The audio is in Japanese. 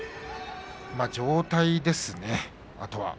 状態ですね、あとは。